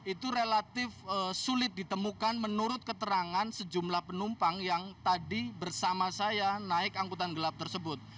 itu relatif sulit ditemukan menurut keterangan sejumlah penumpang yang tadi bersama saya naik angkutan gelap tersebut